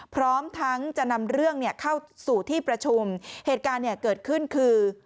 พร้อมทั้งจะนำเรื่องเนี่ยเข้าสู่ที่ประชุมเหตุการณ์เนี่ยเกิดขึ้นคือ